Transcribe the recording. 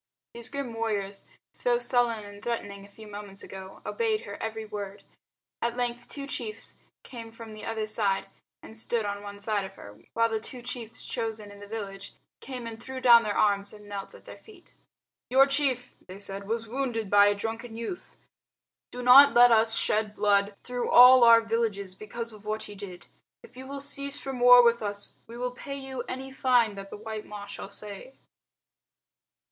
These grim warriors, so sullen and threatening a few moments ago, obeyed her every word. At length two chiefs came from the other side and stood on one side of her, while the two chiefs chosen in the village came and threw down their arms and knelt at their feet. "Your chief," they said, "was wounded by a drunken youth. Do not let us shed blood through all our villages because of what he did. If you will cease from war with us, we will pay to you any fine that the white Ma shall say."